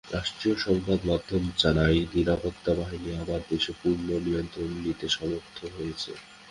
রাষ্ট্রীয় সংবাদমাধ্যম জানায়, নিরাপত্তা বাহিনী আবার দেশের পূর্ণ নিয়ন্ত্রণ নিতে সমর্থ হয়েছে।